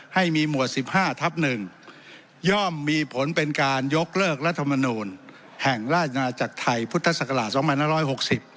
ให้มีหมวด๑๕ทับ๑ย่อมมีผลเป็นการยกเลิกรัฐมนุนแห่งราชนาจักรไทยพุทธศักราช๒๑๖๐